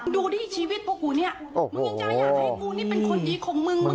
ดูดิชีวิตพวกกูเนี่ยมึงยังจะอยากให้กูนี่เป็นคนดีของมึงมึง